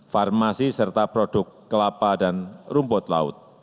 farmasi serta produk kelapa dan rumput laut